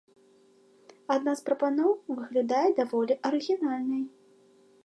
Адна з прапаноў выглядае даволі арыгінальнай.